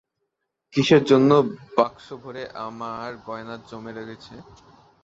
কিসের জন্যে বাক্স ভরে আমার গয়না জমে রয়েছে?